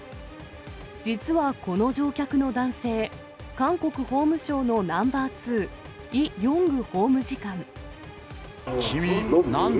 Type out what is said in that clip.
実はこの乗客の男性、韓国法務省のナンバー２、イ・ヨング法務次君、なんだ？